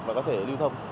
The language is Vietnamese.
và có thể lưu thông